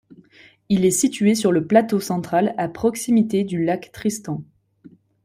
Il est situé sur le plateau Central à proximité du lac Tristan.